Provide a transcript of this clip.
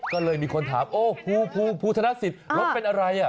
ก็เลยมีคนถามโอ้ภูธนสิทธิ์รถเป็นอะไรอ่ะ